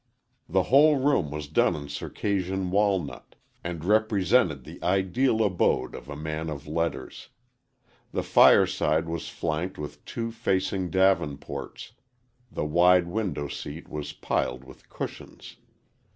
The whole room was done in Circassian walnut, and represented the ideal abode of a man of letters. The fireside was flanked with two facing davenports, the wide window seat was piled with cushions.